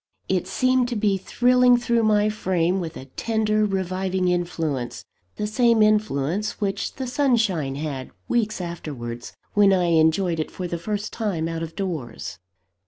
It seemed to be thrilling through my frame with a tender, reviving influence the same influence which the sunshine had, weeks afterwards, when I enjoyed it for the first time out of doors.